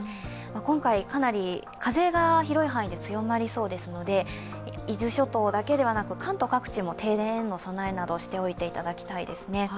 今回かなり風が広い範囲で強まりそうですので、伊豆諸島だけではなく関東各地も停電への備えをしておいていただきたいですね。